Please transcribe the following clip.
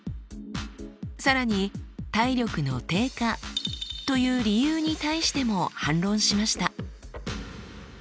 更に体力の低下という理由に対しても反論しました。